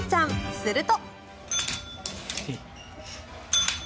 すると。